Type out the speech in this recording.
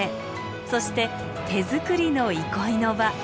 そして手作りの憩いの場。